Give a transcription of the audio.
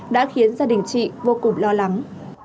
đã khiến gia đình chị vô cùng lo lắng